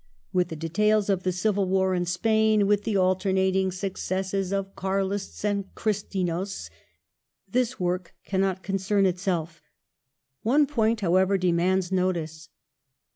With the details of the civil war in Spain, with the alternating successes of Carlists and Christinos, this work cannot concern itself One point, however, demands notice.